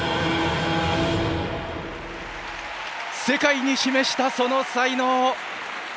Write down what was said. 世界に示したその才能。